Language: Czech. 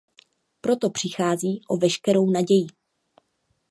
Proto přichází o veškerou naději.